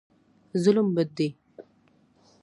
ظلم بد دی.